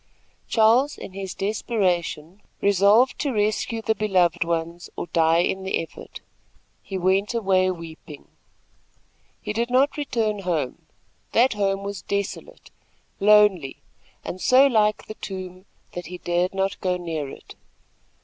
Charles, in his desperation, resolved to rescue the beloved ones or die in the effort. He went away weeping. He did not return home. That home was desolate, lonely and so like the tomb, that he dared not go near it.